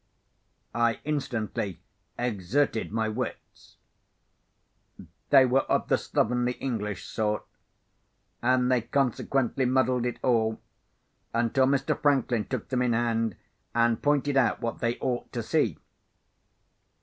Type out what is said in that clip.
I instantly exerted my wits. They were of the slovenly English sort; and they consequently muddled it all, until Mr. Franklin took them in hand, and pointed out what they ought to see.